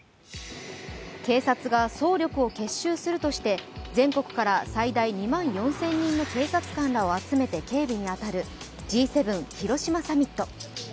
警察が総力を結集するとして全国から最大２万４０００人の警察官らを集めて警備に当たるＧ７広島サミット。